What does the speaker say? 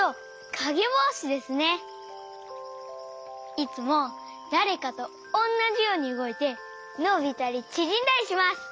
いつもだれかとおんなじようにうごいてのびたりちぢんだりします！